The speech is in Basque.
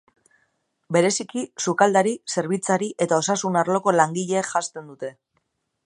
Bereziki sukaldari, zerbitzari eta osasun arloko langileek janzten dute.